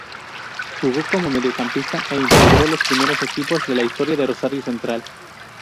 Jugó como mediocampista e integró los primeros equipos de la historia de Rosario Central.